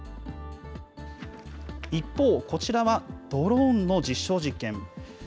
一方、こちらはドローンの実証実験。